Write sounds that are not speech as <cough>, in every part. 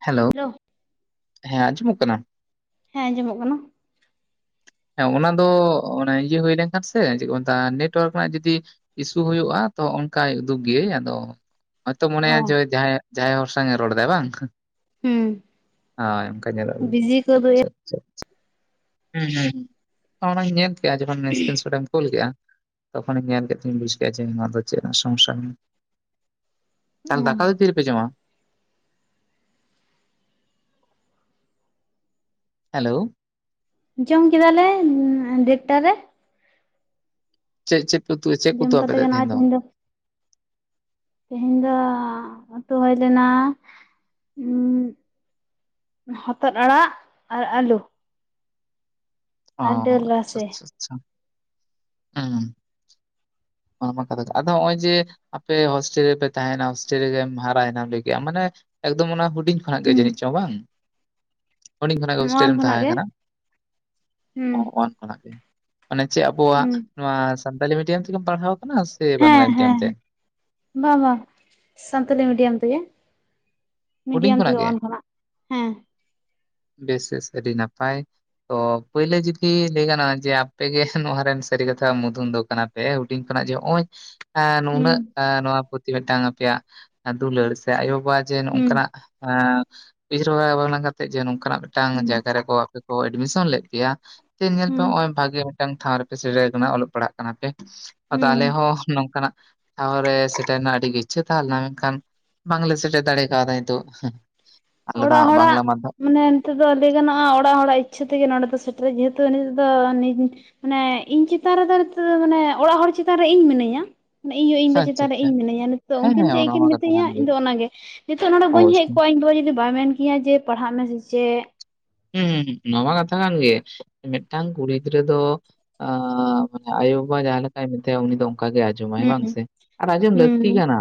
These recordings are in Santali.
ᱦᱮᱞᱳ ᱦᱮᱞᱳ ᱦᱮᱸ ᱟᱸᱡᱚᱢᱚᱜ ᱠᱟᱱᱟ ᱦᱮᱸ ᱟᱸᱡᱚᱢᱚᱜ ᱠᱟᱱᱟ ᱦᱮᱸ ᱚᱱᱟ ᱫᱚ ᱤᱭᱟᱹ ᱦᱩᱭ ᱞᱮᱱᱠᱷᱟᱱ ᱥᱮ ᱪᱮᱫ ᱠᱚ ᱢᱮᱛᱼᱟ ᱱᱮᱴᱳᱣᱟᱨᱠ ᱨᱮᱱᱟᱜ ᱡᱩᱫᱤ ᱤᱥᱩ ᱦᱩᱭᱩᱜᱼᱟ ᱛᱚ ᱚᱱᱠᱟᱭ ᱩᱫᱩᱜ ᱜᱤᱭᱟᱹᱭ ᱟᱫᱚ ᱦᱚᱭᱛᱚ ᱚ ᱢᱚᱱᱮᱭᱟ ᱡᱮ ᱡᱟᱦᱟᱸᱭ ᱡᱟᱦᱟᱸᱭ ᱦᱚᱲ ᱥᱟᱶ ᱨᱚᱲ ᱮᱫᱟᱭ ᱵᱟᱝ ᱦᱩᱸ ᱦᱚᱭ ᱚᱱᱠᱟ ᱧᱮᱞᱚᱜ ᱵᱤᱡᱤ ᱠᱚ ᱩᱫᱩᱜ ᱟᱪᱪᱷᱟ ᱮᱫ ᱟᱪᱪᱷᱟ ᱦᱩᱸ ᱦᱩᱸ ᱚᱱᱟᱧ ᱧᱮᱞ ᱠᱼᱟ ᱡᱚᱠᱷᱚᱱ ᱥᱠᱨᱤᱱ ᱥᱚᱴ ᱮᱢ ᱠᱩᱞ ᱠᱮᱼᱟ ᱛᱚᱠᱷᱚᱱᱤᱧ ᱧᱮᱞ ᱠᱮᱫ ᱛᱮ ᱵᱩᱡ ᱠᱮᱫᱟ ᱡᱮ ᱱᱚᱣᱟ ᱫᱚ ᱪᱮᱫ ᱨᱮᱱᱟᱜ ᱥᱚᱢᱚᱥᱥᱟ ᱚ ᱫᱟᱠᱟ ᱫᱚ ᱛᱤᱨᱮᱯᱮ ᱡᱚᱢᱟ ᱦᱮᱞᱳ ᱡᱚᱢ ᱠᱮᱫᱟᱞᱮ ᱰᱮᱰᱴᱟ ᱨᱮ᱾ ᱪᱮᱫ ᱪᱮᱫ ᱯᱮ ᱩᱛᱩ ᱪᱮᱫ ᱠᱚ ᱡᱚᱢ ᱩᱛᱩ ᱟᱯᱮ ᱠᱟᱛᱮ ᱜᱮ ᱛᱟᱦᱮᱸᱫ ᱱᱟᱭ ᱛᱮᱦᱮᱧ ᱫᱚ ᱛᱮᱦᱮᱧ ᱫᱚ ᱩᱛᱩ ᱦᱩᱭ ᱞᱮᱱᱟ, <inaudible> ᱦᱚᱛᱚᱫ ᱟᱲᱟᱜ ᱟᱨ ᱟᱞᱩ᱾ ᱚ ᱰᱟᱹᱞ ᱟᱪᱪᱷᱟ ᱨᱟᱥᱮ ᱟᱪᱪᱷᱟ ᱟᱪᱪᱷᱟ ᱦᱩᱸ᱾ ᱚᱱᱟ ᱠᱟᱛᱷᱟ ᱜᱮ ᱟᱫᱚ ᱱᱚᱜᱼᱚᱭ ᱡᱮ ᱟᱯᱮ ᱦᱳᱥᱴᱮᱞ ᱨᱮᱯᱮ ᱛᱟᱦᱮᱭᱮᱱᱟ ᱦᱳᱥᱴᱮᱞ ᱨᱮᱜᱮᱢ ᱦᱟᱨᱟᱭᱮᱱᱟᱢ ᱞᱟᱹᱭ ᱠᱮᱫᱟᱢ ᱢᱟᱱᱮ, ᱮᱠᱫᱚᱢ ᱚᱱᱟ ᱦᱩᱰᱤᱧ ᱠᱷᱚᱱᱟᱜ ᱜᱮ ᱦᱩᱸ ᱡᱟᱹᱱᱤᱡ ᱪᱚᱝ ᱵᱟᱝ? ᱦᱰᱤᱧ ᱠᱷᱚᱱᱟᱜ ᱜᱮ ᱦᱳᱥᱴᱮᱞ ᱱᱚᱣᱟᱱ ᱨᱮᱢ ᱠᱷᱚᱱᱟᱜ ᱛᱟᱦᱮᱸ ᱜᱮ ᱠᱟᱱᱟ? ᱦᱩᱸ <unintelligible> ᱠᱷᱚᱱᱟᱜᱼᱜᱮ, ᱪᱮᱫ ᱟᱵᱚᱣᱟᱜ ᱦᱩᱸ ᱱᱚᱣᱟ ᱥᱟᱱᱛᱟᱲᱤ ᱢᱤᱰᱤᱭᱟᱢ ᱛᱮᱜᱮᱢ ᱯᱟᱲᱦᱟᱣ ᱟᱠᱟᱱᱟ ᱼᱼ ᱦᱮᱸ ᱦᱮᱸ ᱵᱟᱝ ᱵᱟᱝ ᱥᱟᱱᱛᱟᱞᱤ ᱢᱤᱰᱤᱭᱟᱢ ᱛᱮᱜᱮ᱾ ᱦᱩᱰᱤᱧ ᱢᱤᱰᱤᱭᱟᱢ ᱛᱮᱜᱮ ᱜᱮ ᱳᱣᱟᱱ ᱠᱷᱚᱱᱟᱜ ᱦᱮᱸ᱾ ᱵᱮᱥ ᱵᱮᱥ ᱟᱹᱰᱤ ᱱᱟᱯᱟᱭ, ᱛᱚ ᱯᱳᱭᱞᱳ ᱡᱩᱫᱤ ᱞᱟᱹᱭ ᱜᱟᱱᱚᱜᱼᱟ ᱡᱮ ᱟᱯᱮᱜ ᱜᱮ ᱱᱚᱣᱟ ᱨᱮᱱ ᱥᱟᱹᱨᱤ ᱠᱟᱛᱷᱟ ᱢᱩᱫᱷᱩᱱ ᱫᱚ ᱠᱟᱱᱟ ᱯᱮ ᱦᱩᱰᱤᱧ ᱠᱷᱚᱱᱟᱜ ᱡᱮ ᱦᱚᱸᱜᱼᱚᱭ, ᱮᱸ ᱱᱩᱱᱟᱹᱜ ᱦᱩᱸ ᱱᱚᱣᱟ ᱯᱨᱚᱛᱤ ᱢᱤᱫᱴᱟᱝ ᱟᱯᱮᱭᱟᱜ ᱫᱩᱞᱟᱹᱲ ᱥᱮ ᱟᱭᱳᱵᱟᱵᱟ ᱡᱮ ᱦᱩᱸ ᱱᱚᱝᱠᱟᱱᱟᱜ, ᱩᱭᱦᱟᱨ ᱵᱟᱵᱱᱟ ᱠᱟᱛᱮ ᱡᱮ ᱱᱚᱝᱠᱟᱱᱟᱜ ᱢᱤᱫᱴᱟᱝ ᱦᱩᱸ ᱡᱟᱭᱜᱟ ᱨᱮᱠᱚ, ᱠᱚ ᱮᱰᱢᱤᱥᱚᱱ ᱞᱮᱫ ᱯᱮᱭᱟ ᱥᱮ ᱧᱮᱞ ᱯᱮ ᱦᱩᱸ ᱱᱚᱜ ᱚᱭ ᱵᱷᱟᱜᱤ ᱢᱤᱫᱴᱟᱝ ᱴᱷᱟᱶ ᱨᱮᱯᱮ ᱥᱮᱴᱮᱨ ᱟᱠᱟᱱᱟ ᱚᱞᱚᱜ ᱯᱟᱲᱦᱟᱜ ᱠᱟᱱᱟ ᱯᱮ᱾ ᱟᱫᱚ ᱦᱩᱸ ᱟᱞᱮ ᱦᱚᱸ ᱱᱚᱝᱠᱟᱱᱟᱜ ᱴᱷᱟᱣᱨᱮ ᱥᱮᱴᱮᱨ ᱟᱹᱰᱤ ᱜᱮ ᱤᱪᱷᱟᱹ ᱛᱟᱦᱮᱸ ᱞᱮᱱᱟ ᱢᱮᱱᱠᱷᱟᱱ ᱵᱟᱝᱞᱮ ᱥᱮᱴᱮᱨ ᱫᱟᱲᱮ ᱠᱟᱣ ᱫᱟ᱾ ᱛᱚᱜ ᱦᱮᱸ ᱚᱲᱟᱜ ᱦᱚᱲᱟᱜ ᱢᱟᱱᱮᱱ ᱛᱮᱫᱚ ᱞᱟᱹᱭ ᱜᱟᱱᱚᱜᱼᱟ ᱚᱲᱟᱜ ᱦᱚᱲᱟᱜ ᱤᱪᱪᱷᱟᱹ ᱛᱮᱜᱮ ᱱᱚᱰᱮ ᱫᱚ ᱥᱮᱴᱮᱨ, ᱡᱮᱦᱮᱛᱩ ᱱᱤᱛ ᱫᱚ ᱱᱤ <unintelligible> ᱢᱟᱱᱮ ᱤᱧ ᱪᱮᱛᱟᱱ ᱨᱮᱫᱚ ᱱᱤᱛᱚᱜ ᱫᱚ ᱢᱟᱱᱮ ᱚᱲᱟᱜ ᱦᱚᱲ ᱪᱮᱛᱟᱱ ᱨᱮ ᱤᱧ ᱢᱤᱱᱟᱹᱧᱟ, ᱤᱧᱭᱩ ᱤᱧ ᱟᱪᱪᱷᱟ ᱵᱟ ᱪᱮᱛᱟᱱ ᱨᱮ ᱟᱪᱪᱷᱟ ᱤᱧ ᱢᱤᱱᱟᱹᱧᱟ ᱱᱤᱛᱚᱜ ᱦᱮᱸ, ᱩᱱᱠᱤᱱ ᱦᱮᱸ ᱪᱮᱫ ᱠᱤᱱ ᱚᱱᱟᱢᱟ ᱠᱟᱛᱷᱟ ᱢᱤᱛᱟᱹᱧᱟ ᱠᱟᱱ ᱜᱮ ᱤᱧᱫᱚ ᱚᱱᱟᱜᱮ᱾ ᱱᱤᱛᱚᱜ ᱱᱚᱸᱰᱮ ᱵᱟᱹᱧ ᱦᱮᱡ ᱚᱵᱚᱥᱥᱳᱭ᱾ ᱠᱚᱜᱼᱟ ᱤᱧ ᱫᱚ ᱡᱩᱫᱤ ᱵᱟᱭ ᱢᱮᱱ ᱠᱤᱧᱟᱹ ᱡᱮ ᱯᱟᱲᱦᱟᱜ ᱢᱮ ᱥᱮ ᱪᱮᱫ᱾ ᱦᱩᱸ ᱱᱚᱶᱟ ᱠᱟᱛᱷᱟ ᱠᱟᱱ ᱜᱮ, ᱢᱤᱫᱴᱟᱝ ᱠᱩᱲᱤ ᱜᱤᱫᱽᱨᱟᱹ ᱫᱚ ᱟ ᱢᱟᱱᱮ ᱟᱭᱳᱵᱟᱵᱟ ᱡᱟᱦᱟᱸ ᱞᱮᱠᱟᱭ ᱢᱮᱛᱟᱭᱟ ᱩᱱᱤ ᱫᱚ ᱚᱱᱠᱟᱜᱮᱭ ᱟ ᱡᱚᱢᱟᱭ ᱵᱟᱝ ᱦᱩᱸ ᱥᱮ ᱟᱨ ᱟᱸᱡᱚᱢ ᱞᱟᱹᱠᱛᱤ ᱦᱩᱸ ᱠᱟᱱᱟ